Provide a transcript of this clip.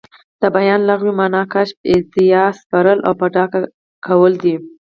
د بیان لغوي مانا کشف، ايضاح، سپړل او په ډاګه کول دي.